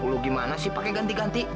lu gimana sih pakai ganti ganti